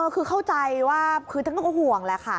คือเข้าใจว่าคือท่านก็ห่วงแหละค่ะ